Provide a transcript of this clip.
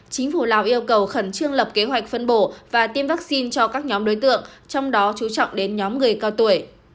chính phủ lào yêu cầu khẩn trương lập kế hoạch phân bổ và tiêm vaccine cho các nhóm đối tượng trong đó chú trọng đến nhóm người cao tuổi